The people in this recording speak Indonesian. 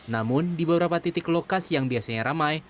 namun di beberapa titik lokasi yang biasanya ramai